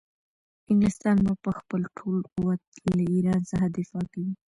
انګلستان به په خپل ټول قوت له ایران څخه دفاع کوي.